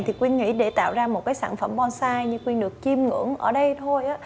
thì quyên nghĩ để tạo ra một sản phẩm bonsai như quyên được chim ngưỡng ở đây thôi